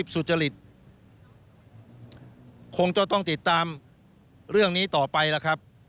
สุจริตคงจะต้องติดตามเรื่องนี้ต่อไปล่ะครับ